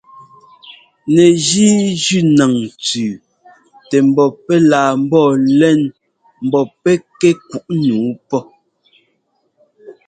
Nɛgíi jʉ́ naŋ tsʉ́ʉ tɛ mbɔ pɛ́ laa ḿbɔɔ lɛŋ ḿbɔ́ pɛ́ kuꞌ nǔu pɔ́.